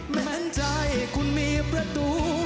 แม้ใจคุณมีประตู